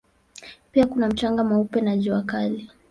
Pia kuna mchanga mweupe na jua kali.